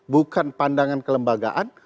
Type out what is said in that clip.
bukan pandangan kelembagaan